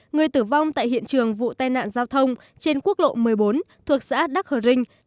người tử vong tại hiện trường vụ tai nạn giao thông trên quốc lộ một mươi bốn thuộc xã đắc hờ rinh